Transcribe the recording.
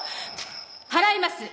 払います！